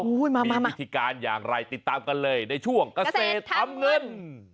วิธีการอย่างไรติดตามกันเลยในช่วงเกษตรทำเงิน